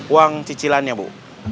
uang cicilannya bu